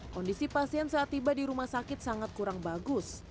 kondisi pasien saat tiba di rumah sakit sangat kurang bagus